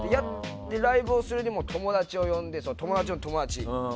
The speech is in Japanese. ライブをするにも友達を呼んで友達の友達。